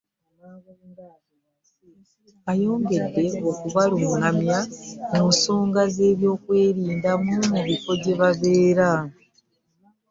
Ayongedde okubalungamya ku nsonga z'ebyokwerinda mu bifo gye babeera